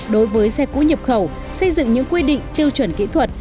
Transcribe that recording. đối với xe cũ nhập khẩu xây dựng những quy định tiêu chuẩn kỹ thuật